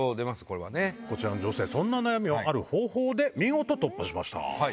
こちらの女性そんな悩みをある方法で見事突破しました。